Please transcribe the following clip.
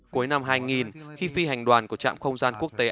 cuối năm hai nghìn khi phi hành đoàn của trạm không gian quốc tế